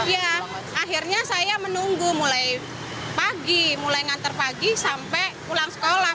ya akhirnya saya menunggu mulai pagi mulai ngantar pagi sampai pulang sekolah